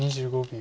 ２５秒。